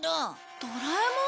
ドラえもん。